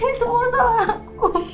ini semua salah aku